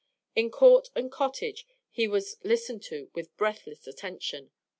In court and cottage he was listened to with breathless attention.